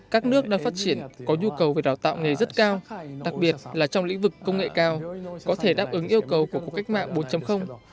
các nước đang phát triển có nhu cầu về đào tạo nghề rất cao đặc biệt là trong lĩnh vực công nghệ cao có thể đáp ứng yêu cầu của cuộc cách mạng bốn